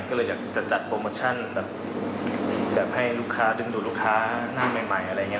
ก็เลยอยากจะจัดโปรโมชั่นแบบให้ลูกค้าดึงดูดลูกค้าหน้าใหม่อะไรอย่างนี้